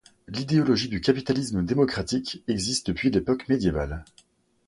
L'idéologie du capitalisme démocratique existe depuis l'époque médiévale.